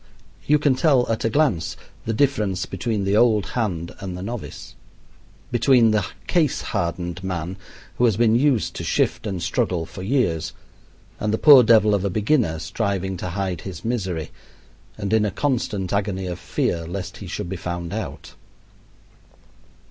You can tell at a glance the difference between the old hand and the novice; between the case hardened man who has been used to shift and struggle for years and the poor devil of a beginner striving to hide his misery, and in a constant agony of fear lest he should be found out.